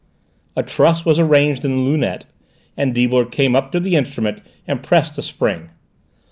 A truss was arranged in the lunette, and Deibler came up to the instrument and pressed a spring.